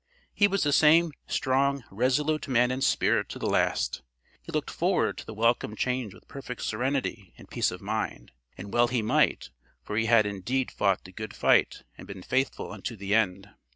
He was the same strong, resolute man in spirit to the last. He looked forward to the welcome change with perfect serenity and peace of mind. And well he might, for he had indeed fought the good fight and been faithful unto the end.